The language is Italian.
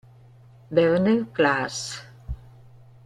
Werner Klaas